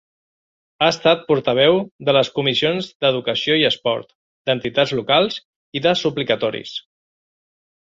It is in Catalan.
Ha estat portaveu de les Comissions d'Educació i Esport, d'Entitats Locals i de Suplicatoris.